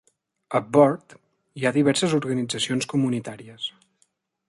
A Burt hi ha diverses organitzacions comunitàries.